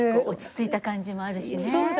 落ち着いた感じもあるしね。